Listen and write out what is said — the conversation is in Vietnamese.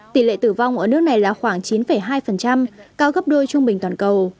tỷ lệ tử vong ở nước này là khoảng chín hai cao gấp đôi trung bình toàn cầu